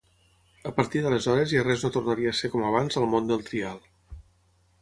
A partir d'aleshores ja res no tornaria a ser com abans al món del trial.